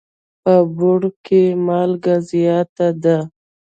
په بوړ کي مالګه زیاته ده.